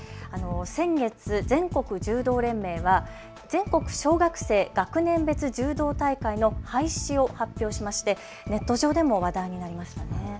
先月、全国柔道連盟は全国小学生学年別柔道大会の廃止を発表しましてネット上でも話題になりました。